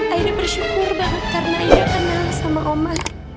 aida bersyukur banget karena aida kenal sama oma